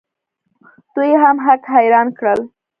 دوی هم هک حیران کړل.